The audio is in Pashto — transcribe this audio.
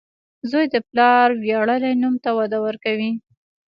• زوی د پلار ویاړلی نوم ته وده ورکوي.